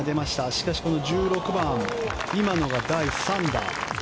しかし、１６番今のが第３打。